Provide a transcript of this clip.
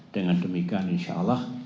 dengan demikian insya allah